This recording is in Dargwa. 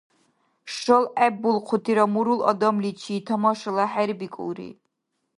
ШалгӀеббулхъутира мурул адамличи тамашали хӀербикӀулри.